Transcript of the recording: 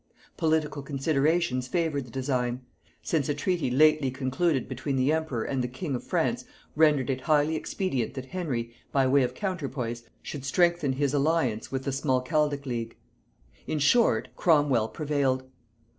Political considerations favored the design; since a treaty lately concluded between the emperor and the king of France rendered it highly expedient that Henry, by way of counterpoise, should strengthen his alliance with the Smalcaldic league. In short, Cromwel prevailed.